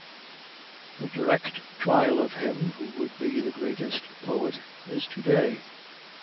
The direct trial of him who would be the greatest poet is to day.